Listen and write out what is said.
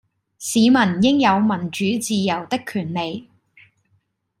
市民應有民主自由的權利